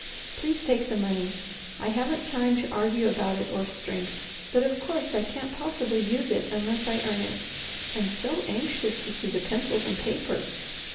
Please take the money. I haven't time to argue about it or strength, but of course I can't possibly use it unless I earn it. I'm so anxious to see the pencils and paper."